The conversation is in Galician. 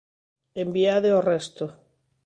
Enviade ao resto.